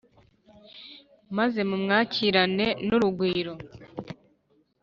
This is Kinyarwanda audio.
maze mumwakirane n'urugwiro